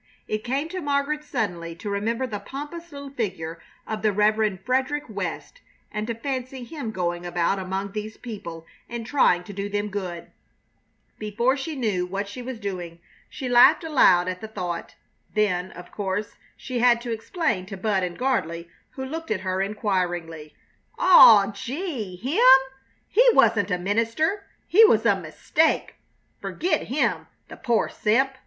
It came to Margaret suddenly to remember the pompous little figure of the Rev. Frederick West, and to fancy him going about among these people and trying to do them good. Before she knew what she was doing she laughed aloud at the thought. Then, of course, she had to explain to Bud and Gardley, who looked at her inquiringly. "Aw! Gee! Him? He wasn't a minister! He was a mistake! Fergit him, the poor simp!"